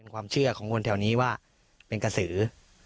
ความเชื่อของคนแถวนี้ว่าเป็นกระสือ